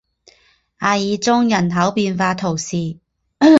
阿尔宗人口变化图示